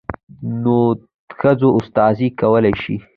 نود ښځو استازي کولى شي.